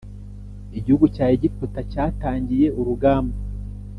igihugu cya Egiputa cyatangiye urugamba